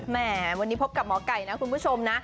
แหมวันนี้พบกับหมอไก่นะคุณผู้ชมนะ